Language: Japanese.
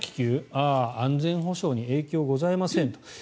ああ、安全保障に影響ございませんと。